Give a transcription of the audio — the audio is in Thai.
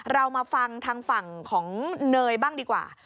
เรามาฟังทางฝั่งของเนยบ้างดีกว่า